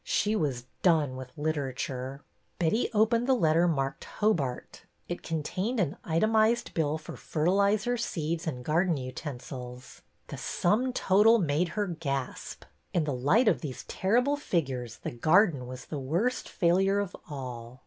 She was done with Literature ! Betty opened the letter marked Hobart." It contained an itemized bill for fertilizer, seeds, and garden utensils. The sum total made her gasp. In the light of these terrible figures the garden was the worst failure of all